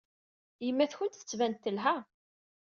Yemma-twent tettban-d telha.